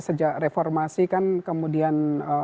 sejak reformasi kan kemudian